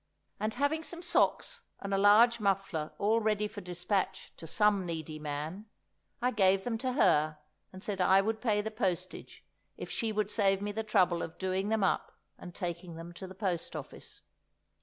And having some socks and a large muffler all ready for dispatch to some needy man, I gave them to her and said I would pay the postage, if she would save me the trouble of doing them up and taking them to the post office.